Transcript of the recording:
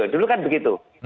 dulu kan begitu